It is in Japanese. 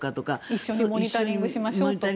一緒にモニタリングしましょうとか。